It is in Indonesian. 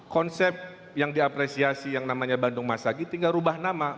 konsep yang diapresiasi yang namanya bandung masagi tinggal rubah nama